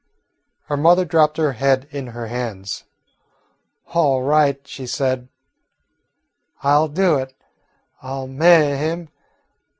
Her mother dropped her head in her hands. "All right," she said, "I 'll do it; I 'll ma'y him.